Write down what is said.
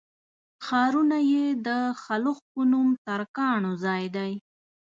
ښارونه یې د خلُخ په نوم ترکانو ځای دی.